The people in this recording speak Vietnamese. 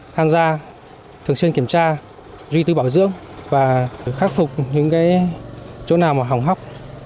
tham gia thường xuyên kiểm tra duy tư bảo dưỡng và khắc phục những chỗ nào mà hỏng hóc